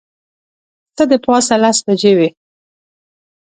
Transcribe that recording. څه د پاسه لس بجې وې.